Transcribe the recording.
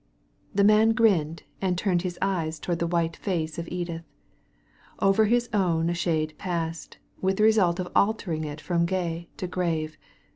'' The man grinned, and turned his eyes towards the white face of Edith. Over his own a shade passed, with the result of altering it from gay to grave.